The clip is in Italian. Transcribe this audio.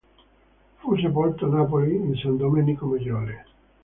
Fu sepolto a Napoli in San Domenico Maggiore.